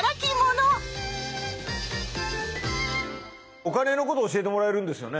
お金のことを教えてもらえるんですよね？